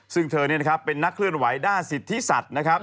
ซึ่งเธอเป็นนักเคลื่อนไหวด้านสิทธิสัตว์นะครับ